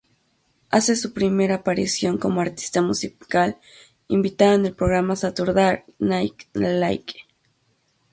Hace su primera aparición como artista musical invitada en el programa "Saturday Night Live".